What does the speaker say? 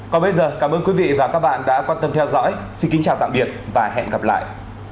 cảm ơn các bạn đã theo dõi và hẹn gặp lại